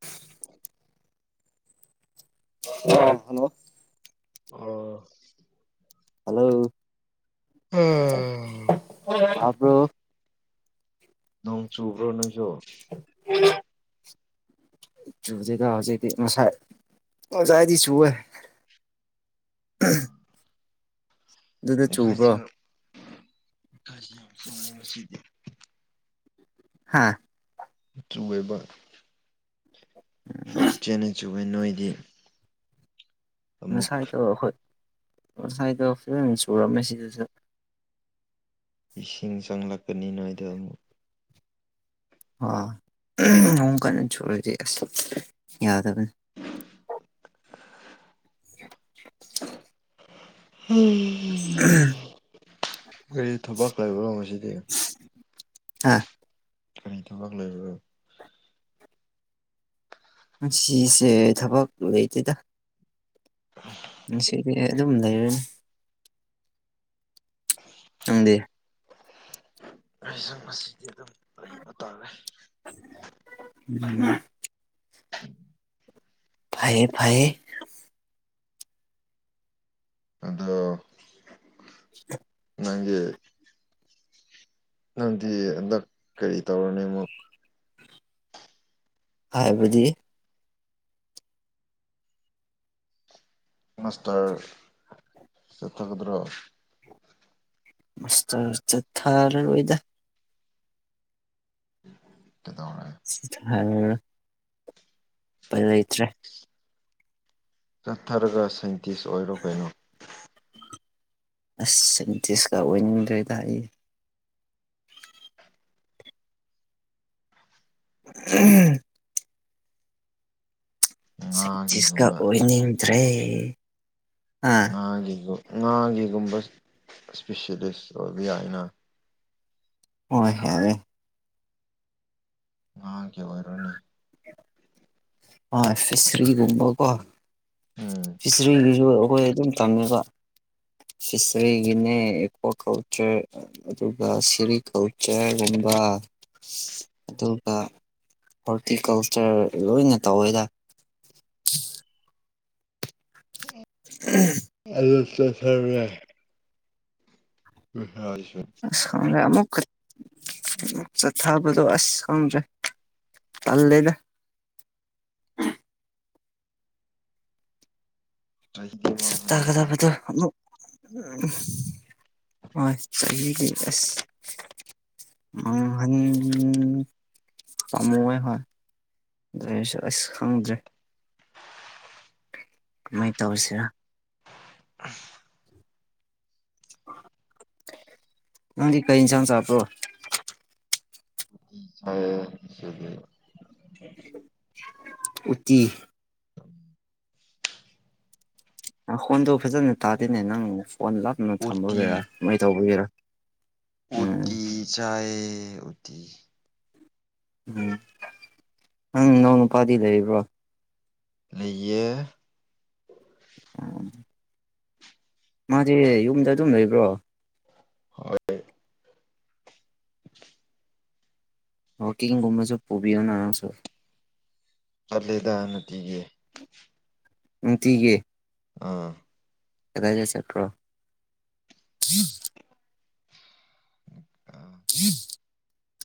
[inaudible] [unintelligible] Hello ꯑꯥ hello ꯍꯥꯕ꯭ꯔꯣ ꯅꯣꯡ ꯆꯨꯕ꯭ꯔꯣ ꯅꯣꯏꯁꯨ [unintelligible] ꯆꯨꯗꯦꯗ ꯍꯧꯖꯤꯛꯇꯤ ꯉꯁꯥꯥꯏ ꯉꯁꯥꯢꯗꯤ ꯆꯨꯋꯦ ꯗꯨꯗ ꯆꯨꯕ꯭ꯔꯣ ꯑꯩꯈꯣꯏꯁꯨ [inaudible] ꯍꯥꯥ ꯆꯨꯋꯦꯕ ꯐꯠꯖꯅ ꯆꯨꯋꯦ ꯅꯣꯏꯗꯤ ꯑꯃꯨꯛ ꯉꯁꯥꯏꯗꯥ ꯑꯈꯣꯢ ꯉꯁꯥꯢꯗꯣ ꯐꯖꯅ ꯆꯨꯔꯝꯃꯦ ꯁꯤꯗꯁꯨ ꯏꯁꯤꯡ ꯆꯪꯂꯛꯀꯅꯤ ꯅꯣꯏꯗ ꯑꯃꯨꯛ ꯑꯥ ꯎꯝ ꯅꯣꯡ ꯀꯟꯅ ꯆꯨꯔꯗꯤ ꯑꯁ ꯌꯥꯗꯕꯅꯦ ꯍꯦ ꯎꯝ ꯀꯔꯤ ꯊꯕꯛ ꯂꯩꯥꯕ꯭ꯔꯣꯉꯁꯤꯗꯤ ꯍꯥ ꯀꯔꯤ ꯊꯕꯛ ꯂꯩꯕ꯭ꯔꯣ ꯉꯁꯤꯁꯦ ꯊꯕꯛ ꯂꯩꯇꯦꯗ [unintelligible] ꯉꯁꯤꯗꯤ ꯑꯩ ꯑꯗꯨꯝ ꯂꯩꯔꯅꯤ [inaudible] ꯅꯪꯗꯤ ꯑꯩꯁꯨ ꯉꯁꯤꯗꯤ ꯑꯗꯨꯝ ꯂꯩꯕ ꯇꯥꯔꯦ [unintelligible] ꯐꯩꯌꯦ ꯐꯩꯌꯦ ꯑꯗꯣ [inaudible] ꯅꯪꯒꯤ ꯅꯪꯗꯤ ꯍꯟꯗꯛ ꯀꯔꯤ ꯇꯧꯔꯅꯤ ꯑꯃꯨꯛ ꯍꯥꯏꯕꯗꯤ ꯃꯥꯁꯇꯔ ꯆꯠꯊꯒꯗ꯭ꯔꯣ ꯃꯥꯁꯇ꯭ꯔ ꯆꯠꯊꯔꯔꯣꯏꯗ ꯀꯩꯗꯧꯔꯦ [unintelligible] ꯎꯄꯥꯢ ꯂꯩꯇ꯭ꯔꯦ ꯆꯠꯊꯔꯒ ꯁꯥꯏꯟꯇꯤꯁ ꯑꯣꯏꯔꯣ ꯀꯩꯅꯣ ꯑꯁ ꯁꯥꯏꯟꯇꯤꯁꯀ ꯑꯣꯏꯅꯤꯡꯗ꯭ꯔꯦꯗ ꯑꯩ ꯎꯝ ꯁꯥꯢꯟꯇꯤꯁꯀ ꯉꯥꯒꯤꯒꯨꯝꯕ ꯑꯣꯏꯅꯤꯡꯗ꯭ꯔꯦ ꯑ ꯉꯥꯒꯤꯒ ꯉꯥꯒꯤꯒꯨꯝꯕ ꯁ꯭ꯄꯤꯁꯦꯜꯂꯤꯁ ꯑꯣꯏꯕ ꯌꯥꯏꯅ ꯍꯣꯏ ꯌꯥꯢꯌꯦ ꯉꯥꯒꯤ ꯑꯣꯏꯔꯣꯅꯦ ꯑꯣꯢ ꯐꯤꯁ꯭ꯔꯤꯒꯨꯝꯕ ꯀꯣ ꯎꯝ ꯐꯤꯁ꯭ꯔꯤꯒꯤꯁꯨ ꯑꯩꯈꯣꯏ ꯑꯗꯨꯝ ꯇꯝꯃꯦꯀꯣ ꯐꯤꯁ꯭ꯔꯤꯒꯤꯅꯦ ꯑꯦꯀ꯭ꯋꯥ ꯀꯜꯆꯔ ꯑꯗꯨꯒ ꯁꯦꯔꯤ ꯀꯜꯆꯔꯒꯨꯝꯕ ꯑꯗꯨꯒ ꯍꯣꯔꯇꯤꯀꯜꯆꯔ ꯂꯣꯏꯅ ꯇꯧꯋꯦꯗ [unintelligible] ꯎꯝ [unintelligible] [unintelligible] ꯑ ꯈꯪꯗꯦ ꯑꯃꯨꯛꯀ ꯆꯠꯊꯕꯗꯣ ꯑꯁ ꯈꯪꯗ꯭ꯔꯦ ꯇꯜꯂꯦꯗ ꯆꯍꯤꯗꯤ [unintelligible] ꯃꯥꯡꯍꯟꯒꯅꯨꯍꯦ ꯇꯥꯒꯗꯕꯗꯣ [unintelligible] ꯆꯍꯤꯒꯤ ꯑꯁ [unintelligible] ꯇꯥꯃꯣ ꯍꯣꯏ ꯍꯣꯏ ꯗ꯭ꯔꯦꯁꯨ ꯑꯁ ꯈꯪꯗ꯭ꯔꯦ ꯑꯗꯨꯃꯥꯏ ꯇꯧꯔꯁꯤꯔ ꯎꯪ ꯅꯪꯗꯤ ꯀꯩ ꯏꯟꯁꯥꯡ ꯆꯥꯕ꯭ꯔꯣ ꯍꯩꯌꯦ ꯁꯤꯗꯤ [inaudible] ꯎꯠꯇꯤ [inaudible] ꯅꯈꯣꯟꯗꯣ ꯐꯖꯅ ꯇꯥꯗꯦꯅꯦ ꯅꯪ ꯐꯣꯟ ꯂꯥꯞꯅ ꯎꯇꯤ ꯊꯝꯕꯒꯤꯔꯥ ꯀꯃꯥꯏꯇꯧꯕꯒꯤꯔꯥ ꯎꯠꯇꯤ ꯆꯥꯏꯌꯦ ꯎꯠꯇꯤ ꯎꯝ [inaudible] ꯅꯪ ꯏꯅꯥꯎ ꯅꯨꯄꯥꯗꯤ ꯂꯩꯔꯤꯕ꯭ꯔꯣ ꯂꯩꯌꯦ [inaudible] ꯃꯥꯗꯤ ꯌꯨꯝꯗ ꯑꯗꯨꯝ ꯂꯩꯕ꯭ꯔꯣ ꯍꯣꯏ [inaudible] ꯋꯥꯀꯤꯡꯒꯨꯝꯕꯁꯨ ꯄꯨꯕꯤꯌꯣꯅ ꯑꯉꯥꯡꯁꯨ ꯆꯠꯂꯦꯗ [unintelligible] ꯗꯤꯌꯦ ꯅꯨꯡꯇꯤꯒꯤ ꯑꯥ ꯀꯗꯥꯏꯗ ꯆꯠꯄ꯭ꯔꯣ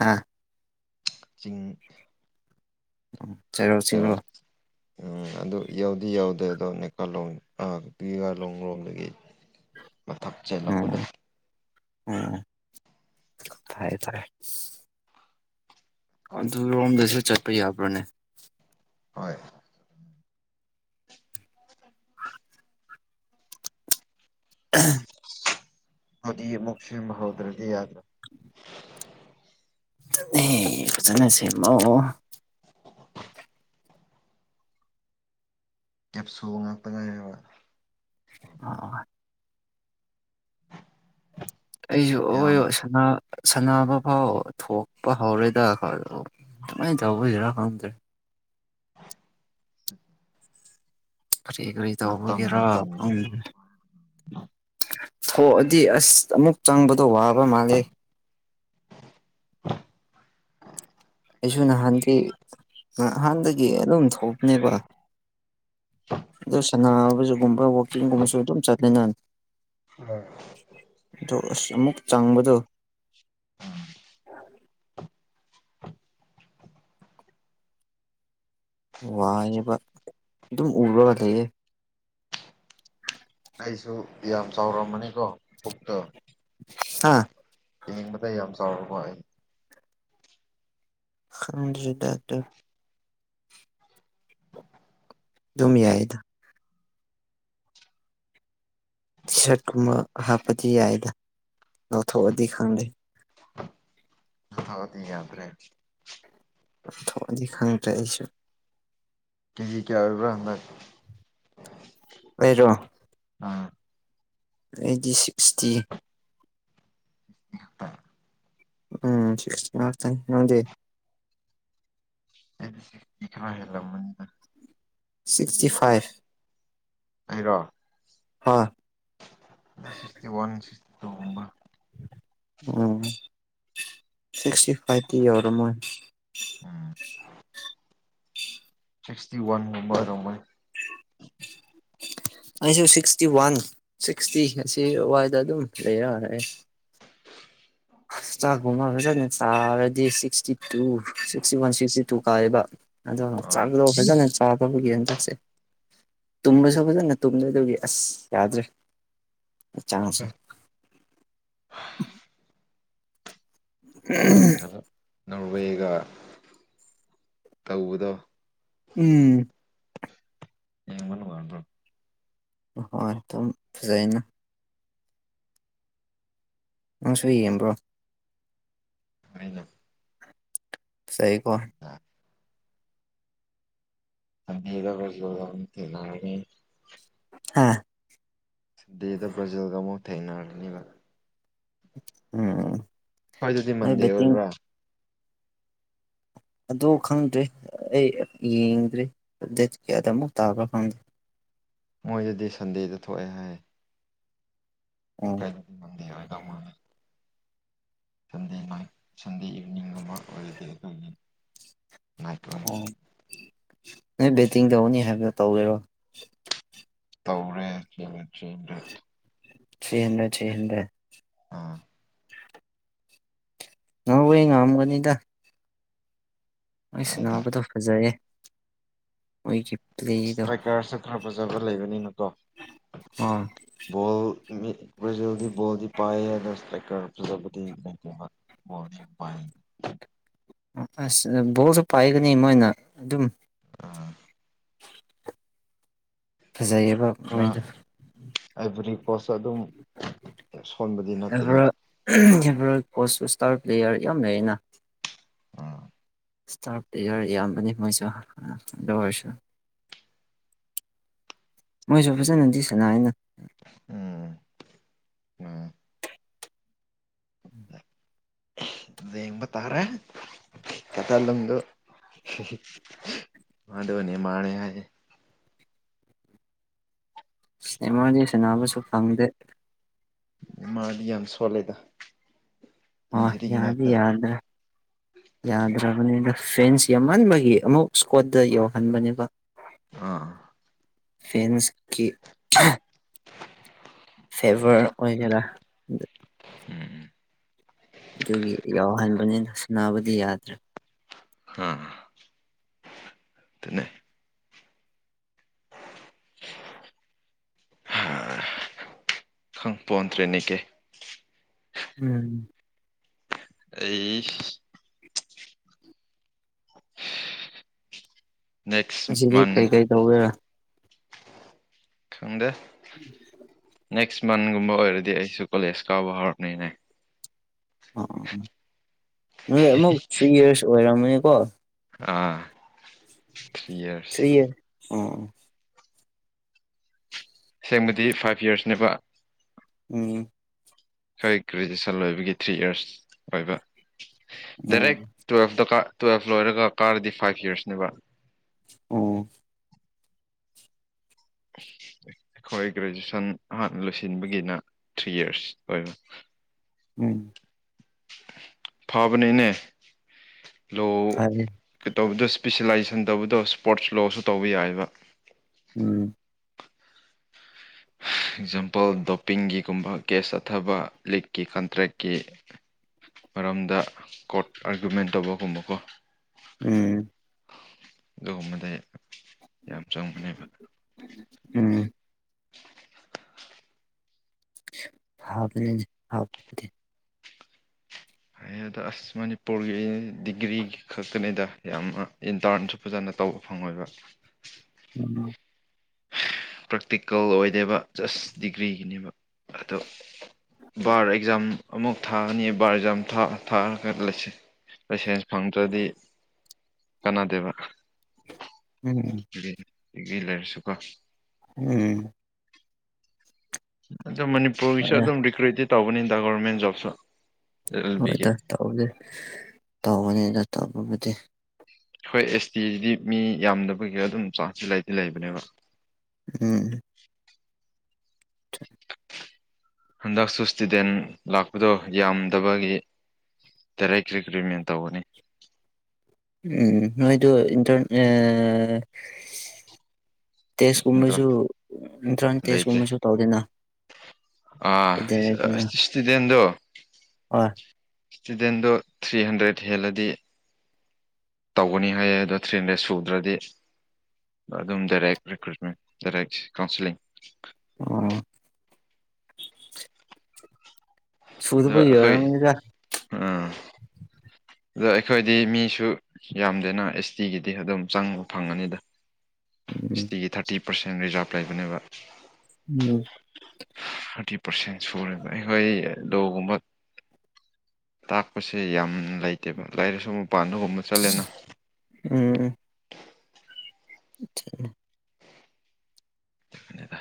ꯍꯥꯥ ꯆꯤꯡ ꯆꯩꯔꯥꯎ ꯆꯩꯔꯥꯎ ꯆꯤꯡꯔꯣ ꯎꯝ ꯑꯗꯨ ꯌꯧꯗꯤ ꯌꯥꯎꯗꯦ ꯑꯗꯣ ꯅꯦꯛꯀꯥꯂꯣꯡ ꯑ [unintelligible] ꯂꯣꯡ ꯂꯣꯝꯗꯒꯤ [inaudible] ꯃꯊꯛ ꯆꯦꯜꯂꯛꯄꯗ ꯑꯣ ꯑꯣ ꯐꯩ ꯐꯩ ꯑꯗꯨꯔꯣꯝꯗꯁꯨ ꯆꯠꯄ ꯌꯥꯕ꯭ꯔꯅꯦ ꯍꯣꯏ ꯑꯍꯝ ꯑꯗꯨꯗꯤ ꯑꯃꯨꯛ ꯁꯦꯝꯕ ꯍꯧꯗ꯭ꯔꯗꯤ ꯌꯥꯗ꯭ꯔꯦ ꯑꯗꯨꯅꯦ ꯐꯖꯅ ꯁꯦꯝꯃꯣ ꯀꯦꯞꯁꯨ ꯉꯥꯛꯇ ꯉꯥꯏꯔꯕ ꯑꯣ ꯑꯩꯁꯨ ꯌꯥꯝ [unintelligible] ꯁꯥꯟꯅꯕ ꯐꯥꯎ ꯊꯣꯛꯄ ꯍꯧꯔꯦꯗ [unintelligible] ꯀꯃꯥꯏ ꯇꯧꯕꯒꯤꯔꯥ ꯈꯪꯗꯦ [inaudible] ꯀꯔꯤ ꯀꯔꯤ ꯃꯇꯝ ꯇꯧꯕꯒꯤꯔ ꯃꯇꯝꯅ ꯈꯪꯗꯦ ꯊꯣꯛꯑꯗꯤ ꯑꯁ ꯑꯃꯨꯛ ꯆꯪꯕꯗꯣ ꯋꯥꯕ ꯃꯥꯂꯦ ꯑꯩꯁꯨ ꯑꯩꯈꯣꯏ ꯅꯍꯥꯟꯗꯤ ꯅꯍꯥꯟꯗꯒꯤ ꯑꯗꯨꯝ ꯊꯣꯛꯄꯅꯦꯕ ꯑꯗꯨ ꯁꯅꯥꯕꯖꯒꯨꯝꯕ ꯋꯥꯛꯀꯤꯡꯒꯨꯝꯕꯁꯨ ꯑꯗꯨꯝ ꯆꯠꯂꯦ ꯅ ꯑ ꯑꯗꯣ ꯑꯁ ꯑꯃꯨꯛ ꯆꯪꯕꯗꯣ ꯋꯥꯏꯌꯦꯕ ꯑꯗꯨꯝ ꯎꯔꯒ ꯂꯩꯌꯦ ꯑꯩꯁꯨ ꯌꯥꯝ ꯆꯥꯎꯔꯝꯕꯅꯤꯀꯣ ꯄꯨꯛꯇꯣ ꯍꯥꯥ ꯌꯦꯡꯕꯗ ꯌꯥꯝ ꯆꯥꯎꯔꯕꯣ ꯑꯩ ꯈꯪꯗ꯭ꯔꯦꯗ ꯑꯗꯨ [inaudible] ꯑꯗꯨꯝ ꯌꯥꯏꯗ ꯇꯤ ꯁꯥꯔꯠ ꯀꯨꯝꯕ ꯍꯥꯞꯄꯗꯤ ꯌꯥꯏꯗ ꯂꯧꯊꯣꯛꯑꯗꯤ ꯈꯪꯗꯦ [unintelligible] ꯌꯥꯗ꯭ꯔꯦ ꯊꯣꯛꯑꯗꯤ ꯈꯪꯗ꯭ꯔꯦ ꯑꯩꯁꯨ ꯀꯦꯖꯤ ꯀꯌꯥ ꯑꯣꯏꯕ꯭ꯔꯥ ꯍꯟꯗꯛ ꯑꯩꯔꯣ ꯑꯥ ꯑꯩꯗꯤ ꯁꯤꯛꯁꯇꯤ [unintelligible] ꯎꯝ ꯁꯤꯁꯛꯇꯤ ꯉꯥꯛꯇꯅꯦ ꯅꯪꯗꯤ [unintelligible] ꯁꯤꯛꯁꯇꯤ ꯐꯥꯏꯚ ꯑꯩꯔꯣ ꯍꯥ ꯁꯤꯛꯁꯇꯤ ꯋꯥꯟ ꯁꯤꯛꯁꯇꯤ ꯇꯨꯒꯨꯝꯕ ꯎꯝ ꯁꯤꯁꯛꯇꯤ ꯐꯥꯏꯚꯇꯤ ꯌꯧꯔꯝꯃꯣꯏ ꯎꯝ ꯁꯤꯁꯛꯇꯤ ꯋꯥꯟ ꯒꯨꯝꯕ ꯑꯣꯏꯔꯝꯃꯣꯏ [unintelligible] ꯑꯩꯁꯨ ꯁꯤꯛꯁꯇꯤ ꯋꯥꯟ ꯁꯤꯛꯁꯇꯤ ꯑꯁꯤ ꯋꯥꯏꯗ ꯑꯗꯨꯝ ꯂꯩꯔꯒ ꯂꯩꯔꯦ ꯆꯥꯛꯀꯨꯝꯕ ꯐꯖꯅ ꯆꯥꯔꯗꯤ sixty two sixty one sixty two ꯀꯥꯏꯑꯦꯕ ꯑꯗꯣ ꯑꯥ ꯆꯥꯛꯗꯣ ꯐꯖꯅ ꯆꯥꯗꯕꯒꯤ ꯍꯟꯗꯛꯁꯦ ꯇꯨꯝꯕꯁꯨ ꯐꯖꯅ ꯇꯨꯝꯗꯕꯒꯤ ꯑꯁ ꯌꯥꯗ꯭ꯔꯦ ꯍꯛꯆꯥꯡꯁꯦ [unintelligible] [unintelligible] ꯅꯣꯔꯋꯦꯒ ꯇꯧꯕꯗꯣ ꯎꯝ ꯌꯦꯡꯕ ꯅꯨꯡꯉꯥꯏꯕ꯭ꯔꯣ ꯑꯣ ꯍꯣꯏ ꯑꯗꯨꯝ ꯐꯖꯩꯅ ꯅꯪꯁꯨ ꯌꯦꯡꯕ꯭ꯔꯣ ꯑꯩꯅ ꯆꯩꯀꯣ ꯑꯥ ꯑꯅꯩꯕ [unintelligible] ꯊꯦꯛꯅꯔꯅꯤ ꯍꯥ ꯗꯦꯗ ꯕ꯭ꯔꯖꯤꯜꯒ ꯀꯥꯡꯕꯨ ꯊꯦꯡꯅꯔꯅꯤꯕ ꯎꯝ ꯃꯣꯏꯗꯗꯤ ꯑꯩ ꯃꯟꯗꯦ ꯕꯦꯠꯇꯤꯡ ꯑꯣꯏꯕ꯭ꯔꯥ ꯑꯗꯨ ꯈꯪꯗꯦ ꯑꯩ ꯌꯦꯡꯗ꯭ꯔꯤ ꯗꯦꯠ ꯀꯌꯥꯗ ꯑꯃꯨꯛ ꯇꯥꯕ꯭ꯔꯥ ꯈꯪ ꯃꯣꯏꯗꯗꯤ ꯁꯟꯗꯦꯗ ꯊꯣꯛꯑꯦ ꯍꯥꯏ ꯑꯣ [unintelligible] ꯁꯟꯗꯦ ꯅꯥꯏꯠ ꯁꯟꯗꯦ ꯏꯚꯤꯅꯤꯡꯒꯨꯝꯕ ꯑꯣꯏꯔꯗꯤ ꯑꯩꯈꯣꯏꯒꯤ ꯅꯥꯏꯠ ꯑꯣꯏ ꯑꯣ ꯅꯣꯏ ꯕꯦꯠꯇꯤꯡ ꯇꯧꯅꯤ ꯍꯥꯏꯕꯗꯣ ꯇꯧꯒꯦꯔꯣ ꯇꯧꯔꯦ ꯊ꯭ꯔꯤꯍꯟꯗꯦꯠ ꯊ꯭ꯔꯤꯍꯟꯗꯦꯠ ꯊ꯭ꯔꯤꯍꯟꯗꯦꯠ ꯊ꯭ꯔꯤꯍꯟꯗꯦꯠ ꯑꯥ ꯅꯣꯔꯋꯦ ꯉꯝꯒꯅꯤꯗ ꯃꯣꯏ ꯑꯩꯗ ꯁꯥꯟꯕꯗꯨ ꯐꯖꯩꯌꯦ ꯑꯣꯏꯖꯤꯞ [unintelligible] ꯏꯁꯇ꯭ꯔꯥꯏꯀꯔꯁꯨ ꯈꯔ ꯐꯖꯕ ꯂꯩꯕꯅꯤꯅꯀꯣ ꯑꯥ ꯕꯣꯜ ꯕ꯭ꯔꯥꯖꯤꯜꯗꯤ ꯕꯣꯜꯗꯤ ꯄꯥꯏꯌꯦ ꯑꯗꯨ ꯏꯁꯇꯥꯏꯀ꯭ꯔ ꯐꯖꯕꯗꯤ ꯂꯩꯇꯦꯕ ꯕꯣꯜꯗꯤ ꯄꯥꯏ ꯑꯁ ꯑꯥ ꯕꯣꯜꯁꯨ ꯄꯥꯏꯒꯅꯤ ꯃꯣꯏꯅ ꯑꯗꯨꯝ ꯑꯥ ꯐꯖꯩꯌꯦꯕ ꯑꯃ ꯃꯣꯏꯗꯣ ꯑꯦꯕ꯭ꯔꯤ ꯀꯣꯁꯇ ꯑꯗꯨꯝ ꯁꯣꯟꯕꯗꯤ ꯅꯠꯇꯦꯅ ꯐꯦꯕꯔꯦꯜ ꯀꯣꯆ ꯏꯁꯇꯥꯔ ꯄ꯭ꯂꯦꯌꯔ ꯌꯥꯝ ꯂꯩꯌꯦꯅ ꯑꯥ ꯏꯁꯇꯥ ꯄꯦꯂꯌ꯭ꯔ ꯌꯥꯝꯕꯅꯤ ꯃꯣꯏꯁꯨ ꯑꯗꯨ ꯑꯣꯏꯔꯁꯨ ꯃꯣꯏꯁꯨ ꯐꯥꯖꯅꯗꯤ ꯁꯥꯟꯅꯌꯦꯅ ꯎꯝ ꯎꯝ ꯌꯦꯡꯕ ꯇꯥꯔꯦ ꯑꯀꯥꯜꯂꯝꯗꯨ ꯃꯗꯨꯅꯦ ꯃꯥꯅꯦ ꯍꯥꯏꯌꯦ ꯅꯦꯃꯥꯔꯗꯤ ꯁꯥꯟꯅꯕꯁꯨ ꯐꯪꯗꯦ ꯅꯦꯃꯥꯔꯗꯤ ꯌꯥꯝ ꯁꯣꯜꯂꯦꯗ ꯑꯥ ꯏꯟꯖꯨꯔꯤ ꯌꯥꯗꯤ ꯉꯥꯛꯇ ꯌꯥꯗ꯭ꯔꯦ ꯌꯥꯗ꯭ꯔꯕꯅꯤꯗ ꯐꯦꯟꯁ ꯌꯥꯝꯍꯟꯕꯒꯤ ꯑꯃꯨꯛ ꯏꯁꯀꯣꯗꯠꯇ ꯌꯧꯍꯟꯕꯅꯦꯕ ꯑꯥ ꯐꯦꯟꯁꯀꯤ ꯐꯦꯚꯔ ꯑꯣꯏꯒꯦꯔ ꯎꯝ ꯑꯗꯨꯒꯤ ꯌꯥꯎꯍꯟꯕꯅꯤꯗ ꯁꯥꯟꯅꯕꯗꯤ ꯌꯥꯗ꯭ꯔꯦ ꯍꯥ ꯑꯗꯨꯅꯦ ꯈꯪ ꯄꯣꯟꯗ꯭ꯔꯦꯅꯦ ꯀꯦ ꯎꯝ ꯑꯩꯁ ꯅꯦꯛꯁ ꯉꯁꯤꯗꯤ ꯃꯟ ꯀꯩ ꯀꯩ ꯇꯧꯒꯦꯔ ꯈꯪꯗꯦ ꯎꯝ ꯅꯦꯛꯁ ꯃꯟꯒꯨꯝꯕ ꯑꯣꯏꯔꯗꯤ ꯑꯩꯁꯨ ꯀꯣꯂꯦꯖ ꯀꯥꯎꯕ ꯍꯧꯔꯛꯅꯤꯅꯦ ꯑꯥ ꯅꯣꯏ ꯑꯃꯨꯛ ꯊ꯭ꯔꯤ ꯌꯔꯁ ꯑꯣꯏꯔꯝꯃꯅꯤꯀꯣ ꯑꯥ ꯊ꯭ꯔꯤ ꯌꯔꯁ ꯊ꯭ꯔꯤ ꯎ ꯁꯦꯡꯕꯗꯤ ꯐꯥꯏꯚ ꯌꯔꯁꯅꯦꯕ ꯎꯝ ꯍꯣꯏ ꯒ꯭ꯔꯦꯖꯨꯦꯁꯟ ꯂꯣꯏꯕꯒꯤ ꯊ꯭ꯔꯤ ꯏꯔꯁ ꯑꯣꯏꯕ ꯗꯥꯏꯔꯦꯛ ꯎꯝ ꯇꯨꯋꯦꯜꯐꯇꯀ ꯇꯨꯋꯦꯜꯞ ꯂꯣꯏꯔꯒ ꯀꯥꯔꯗꯤ ꯐꯥꯏꯚ ꯌꯔꯁꯅꯦꯕ ꯑꯣ [inaudible] ꯑꯩꯈꯣꯏ ꯒ꯭ꯔꯦꯖꯨꯦꯁꯟ ꯍꯥꯟꯅ ꯂꯣꯏꯁꯤꯟꯕꯒꯤꯅ ꯊ꯭ꯔꯤ ꯌꯔꯁ ꯑꯣꯏꯕ ꯎꯝ ꯐꯥꯕꯅꯤꯅꯦ ꯂꯣ ꯐꯔꯦ ꯀꯩ ꯇꯧꯕꯗꯣ ꯁ꯭ꯄꯤꯁꯦꯂꯥꯏꯖꯦꯁꯟ ꯇꯧꯕꯗꯣ ꯁ꯭ꯄꯣꯔꯠꯁ ꯂꯣꯁꯨ ꯇꯧꯕ ꯌꯥꯏꯑꯕ ꯎꯝ ꯑꯦꯛꯖꯥꯝꯄꯜ ꯗꯣꯞꯄꯤꯡꯒꯤꯒꯨꯝꯕ ꯀꯦꯁ ꯆꯠꯊꯕ ꯂꯤꯛꯀꯤ ꯀꯟꯇ꯭ꯔꯦꯛꯀꯤ ꯃꯔꯝꯗ ꯀꯣꯔꯠ ꯑꯥꯔꯒꯨꯃꯦꯟ ꯇꯧꯕꯒꯨꯝꯕꯀꯣ ꯎꯝ ꯑꯗꯨꯒꯨꯝꯕꯗꯤ ꯌꯥꯝ ꯆꯪꯕꯅꯦꯕ ꯎꯝ [inaudible] ꯍꯥꯥꯎꯕꯅꯦ ꯍꯥꯥꯎꯕꯗꯤ ꯍꯩꯌꯦꯗ ꯑꯁ ꯃꯅꯤꯄꯨꯔꯒꯤ ꯗꯤꯒ꯭ꯔꯤ ꯈꯛꯇꯅꯤꯗ ꯌꯥꯝꯅ ꯏꯟꯇ꯭ꯔꯔꯟꯁꯨ ꯐꯖꯅ ꯇꯧꯕ ꯐꯪꯉꯣꯏꯕ ꯎꯝ ꯄ꯭ꯔꯦꯛꯇꯤꯀꯦꯜ ꯑꯣꯏꯗꯦꯕ ꯖꯁ ꯗꯤꯒ꯭ꯔꯤꯒꯤꯅꯦꯕ ꯑꯗꯣ ꯕꯥꯔ ꯑꯦꯛꯖꯥꯝ ꯑꯃꯨꯛ ꯊꯥꯑꯅꯤ ꯕꯥꯔ ꯑꯦꯛꯖꯥꯝ ꯊ ꯊꯥꯔꯒ ꯂꯩꯁꯦ ꯂꯥꯏꯁꯦꯟꯁ ꯐꯪꯗ꯭ꯔꯗꯤ ꯀꯥꯟꯅꯥꯗꯦꯕ ꯎꯝ [unintelligible] ꯗꯤꯒ꯭ꯔꯤ ꯂꯩꯔꯁꯨꯀꯣ ꯎꯝ ꯑꯗꯨ ꯃꯅꯤꯄꯨꯔꯒꯤꯁꯨ ꯑꯗꯨꯝ ꯔꯤꯀ꯭ꯔꯨꯏꯠꯇꯤ ꯇꯧꯕꯅꯤꯗ ꯒꯣꯔꯔꯃꯦꯟ ꯖꯣꯕꯁꯨ ꯑꯦꯜ ꯑꯦꯜ ꯕꯤꯒꯤ ꯍꯣꯏꯗ ꯇꯧꯒꯦ ꯇꯧꯒꯅꯤꯗ ꯇꯧꯕꯕꯨꯗꯤ ꯈꯣꯏ ꯑꯦꯁ ꯇꯤꯁꯤꯒꯤꯗꯤ ꯃꯤ ꯌꯥꯝꯗꯕꯒꯤ ꯑꯗꯨꯝ ꯆꯥꯟꯁꯇꯤ ꯂꯩꯗꯤ ꯂꯩꯕꯅꯦꯕ ꯎꯝ [inaudible] ꯍꯟꯗꯛꯁꯨ ꯏꯁꯇꯨꯗꯦꯟ ꯂꯥꯛꯄꯗꯣ ꯌꯥꯝꯗꯕꯒꯤ ꯗꯥꯏꯔꯦꯛ ꯔꯤꯀ꯭ꯔꯨꯏꯠꯃꯦꯟ ꯇꯧꯕꯅꯤ ꯎꯝ ꯅꯣꯏꯗꯣ ꯏꯟꯇꯔꯟ ꯑ ꯇꯦꯁ ꯅꯠꯇ꯭ꯔ ꯀꯨꯝꯕꯁꯨ ꯏꯟꯇ꯭ꯔꯥꯟ ꯂꯩꯇꯦ ꯇꯦꯁꯀꯨꯝꯕꯁꯨ ꯇꯧꯗꯦꯅ ꯑꯥ ꯀꯩꯗꯧꯔꯤꯅꯣ ꯏꯁꯇꯨꯗꯦꯟꯗꯣ ꯍꯣꯏ ꯏꯁꯇꯨꯗꯦꯟꯗꯣ ꯊ꯭ꯔꯤ ꯍꯟꯗ꯭ꯔꯦꯗ ꯍꯦꯜꯂꯗꯤ ꯇꯧꯒꯅꯤ ꯍꯥꯏꯌꯦ ꯑꯗꯣ ꯊ꯭ꯔꯤꯍꯟꯗ꯭ꯔꯦꯗ ꯁꯨꯗ꯭ꯔꯗꯤ ꯑꯗꯨꯝ ꯗꯥꯏꯔꯦꯛ ꯔꯤꯀꯔꯨꯏꯠꯃꯦꯟ ꯗꯥꯏꯔꯦꯛ ꯀꯥꯎꯟꯁꯤꯂꯤꯡ ꯑꯣ ꯑꯗꯣ ꯁꯨꯗꯕꯒꯤ ꯑꯩꯈꯣꯏ ꯑꯣꯏꯔꯝꯅꯤꯗ꯫ ꯑꯗꯨ ꯑꯩꯈꯣꯏꯗꯤ ꯃꯤꯁꯨ ꯌꯥꯝꯗꯦꯅ ꯑꯦꯁ ꯇꯤꯒꯤꯗꯤ ꯑꯗꯨꯝ ꯆꯪꯕ ꯐꯪꯉꯅꯤꯗ꯫ ꯎꯝ ꯑꯦꯁ ꯇꯤꯒꯤ ꯊꯥꯔꯇꯤ ꯄꯥꯔꯁꯦꯟ ꯔꯤꯖꯥꯞ ꯂꯩꯕꯅꯦꯕ꯫ ꯎꯝ꯫ ꯊꯥꯔꯇꯤ ꯄꯥꯔꯁꯦꯟ ꯁꯨꯔꯦꯕ ꯑꯩꯈꯣꯏ ꯂꯣꯒꯨꯝꯕ ꯇꯥꯛꯄꯁꯦ ꯌꯥꯝ ꯂꯩꯇꯦꯕ ꯂꯩꯔꯤꯁꯨ ꯃꯄꯥꯜꯗꯒꯨꯝꯗ ꯎꯝ꯫ [inaudible] ꯈꯪꯗꯦꯗ